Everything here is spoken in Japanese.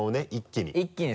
一気に。